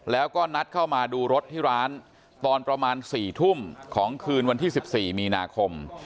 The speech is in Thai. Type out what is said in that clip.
แล้วก็นัดเข้ามาดูรถที่ร้านตอนประมาณ๔ทุ่มของคืนวันที่๑๔มีนาคม